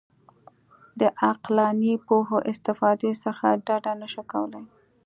د عقلاني پوهو استفادې څخه ډډه نه شو کولای.